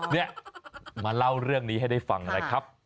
นี่มาเล่าเรื่องนี้ให้ได้ฟังนะครับ